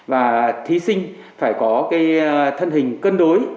và thí sinh phải có thân hình cân đối